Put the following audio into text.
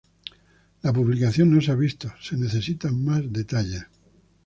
La publicación no se ha visto, se necesitan más detalles.